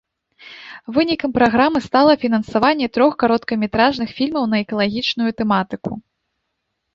Вынікам праграмы стала фінансаванне трох кароткаметражных фільмаў на экалагічную тэматыку.